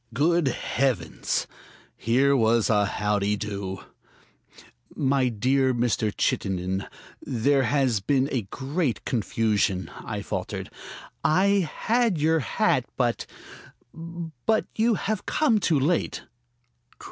Good heavens! here was a howdy do. "My dear Mr. Chittenden, there has been a great confusion," I faltered. "I had your hat, but but you have come too late."